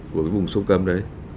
của vùng sông cấm đấy